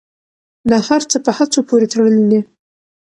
دا هر څه په هڅو پورې تړلي دي.